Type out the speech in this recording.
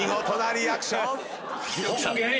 リアクション芸人。